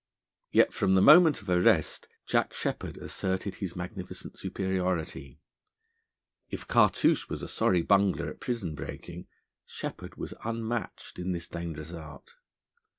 Yet from the moment of arrest Jack Sheppard asserted his magnificent superiority. If Cartouche was a sorry bungler at prison breaking, Sheppard was unmatched in this dangerous art.